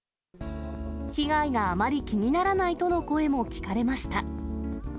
被害があまり気にならないとの声も聞かれました。